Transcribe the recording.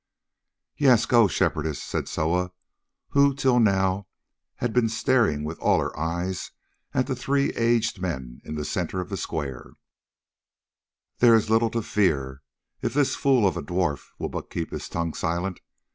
"Yes, go, Shepherdess," said Soa, who till now had been staring with all her eyes at the three aged men in the centre of the square; "there is little to fear, if this fool of a dwarf will but keep his tongue silent.